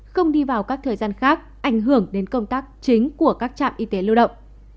không đi vào các thời gian khác ảnh hưởng đến công tác chính của các trạm y tế lưu động